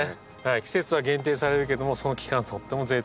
季節は限定されるけどもその期間はとっても贅沢な。